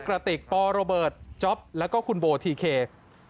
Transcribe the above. กระติกปโรเบิร์ตจ๊อปแล้วก็คุณโบทีเค